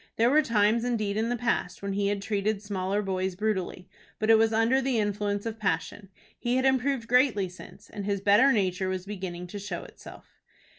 There were times indeed in the past when he had treated smaller boys brutally, but it was under the influence of passion. He had improved greatly since, and his better nature was beginning to show itself.